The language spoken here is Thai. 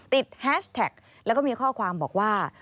แฮชแท็กแล้วก็มีข้อความบอกว่า